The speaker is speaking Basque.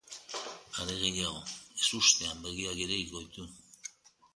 Are gehiago, ezustean begiak irekiko ditu.